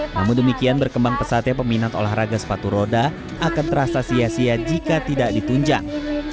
namun demikian berkembang pesatnya peminat olahraga sepatu roda akan terasa sia sia jika tidak ditunjang